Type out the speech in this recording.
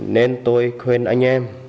nên tôi khuyên anh em